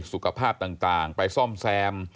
สุขภาพต่างไปซ่อมแซม